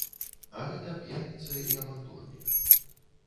А гэта п'яніца і авантурнік.